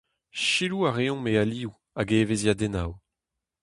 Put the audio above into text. Selaou a reomp e alioù hag e evezhiadennoù.